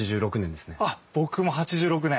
あっ僕も８６年！